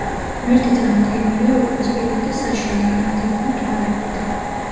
ღმერთი წარმოდგენილია ოქროს პირით და საშინელი, ანთებული თვალებით.